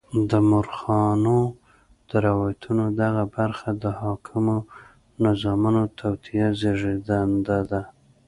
د مورخانو د روایتونو دغه برخه د حاکمو نظامونو د توطیو زېږنده ده.